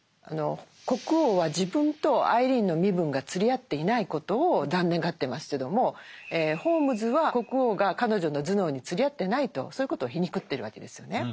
国王は自分とアイリーンの身分が釣り合っていないことを残念がってますけどもホームズは国王が彼女の頭脳に釣り合ってないとそういうことを皮肉ってるわけですよね。